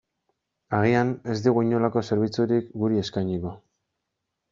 Agian, ez digu inolako zerbitzurik guri eskainiko.